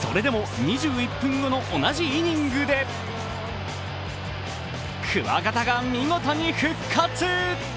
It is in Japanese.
それでも２１分後の同じイニングでくわがたが見事に復活。